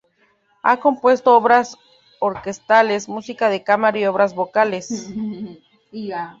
Ha compuesto obras orquestales, música de cámara y obras vocales.